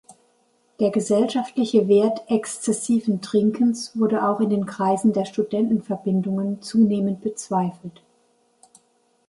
Der gesellschaftliche Wert exzessiven Trinkens wurde auch in den Kreisen der Studentenverbindungen zunehmend bezweifelt.